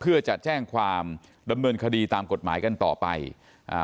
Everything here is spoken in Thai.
เพื่อจะแจ้งความดำเนินคดีตามกฎหมายกันต่อไปอ่า